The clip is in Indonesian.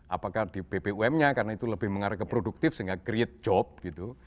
apakah di bpom nya karena itu lebih mengarah ke produktif sehingga create job gitu